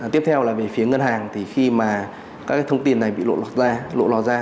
tiếp theo là về phía ngân hàng thì khi mà các thông tin này bị lộ lọt ra